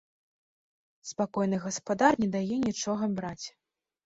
Спакойны гаспадар не дае нічога браць.